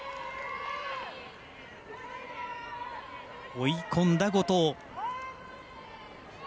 追い込んだ後藤。